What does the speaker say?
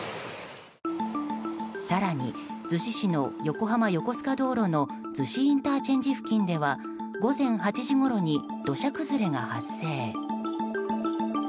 更に逗子市の横浜横須賀道路の逗子ＩＣ付近では午前８時ごろに土砂崩れが発生。